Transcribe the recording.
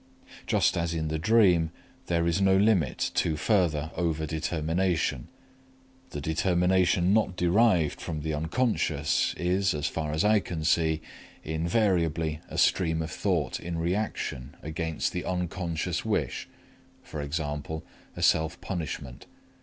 Just as in the dream, there is no limit to further over determination. The determination not derived from the Unc. is, as far as I can see, invariably a stream of thought in reaction against the unconscious wish, e.g., a self punishment.